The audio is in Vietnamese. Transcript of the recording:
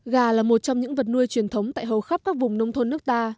gà là một trong những vật nuôi truyền thống tại hầu khắp các vùng nông thôn nước ta